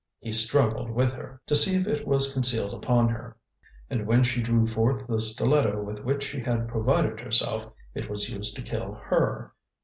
He struggled with her to see if it was concealed upon her, and when she drew forth the stiletto with which she had provided herself, it was used to kill her.